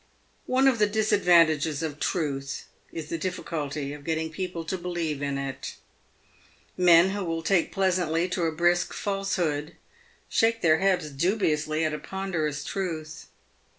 One of the disadvantages of Truth is the difficulty of getting peo ple to believe in it. Men who will take pleasantly to a brisk false hood shake their heads dubiously at a ponderous truth.